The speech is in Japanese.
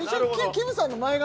きむさんの前髪